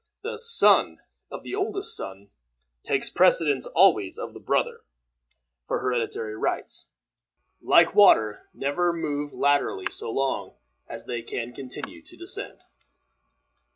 The son of the oldest son takes precedence always of the brother, for hereditary rights, like water, never move laterally so long as they can continue to descend.